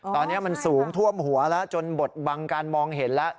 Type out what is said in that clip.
ตอนนี้มันสูงท่วมหัวแล้วจนบทบังการมองเห็นแล้ว